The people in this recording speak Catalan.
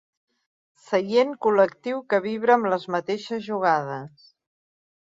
Seient col·lectiu que vibra amb les mateixes jugades.